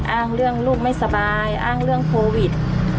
อ้างเรื่องลูกไม่สบายอ้างเรื่องโควิด